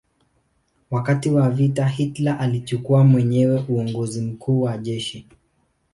Wakati wa vita Hitler alichukua mwenyewe uongozi mkuu wa jeshi.